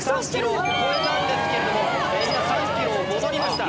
３ｋｍを超えたんですけれども今３ｋｍを戻りました。